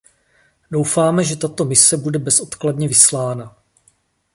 Doufáme, že tato mise bude bezodkladně vyslána.